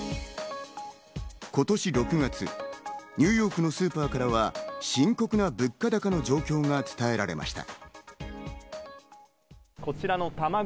今年６月、ニューヨークのスーパーからは深刻な物価高の状況が伝えられました。